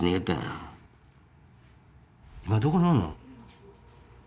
今どこにおんの？